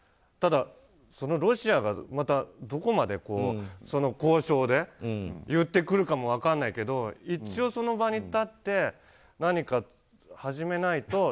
ただ、ロシアがまたどこまでその交渉で言ってくるかも分からないけど一応その場に立って何か始めないと。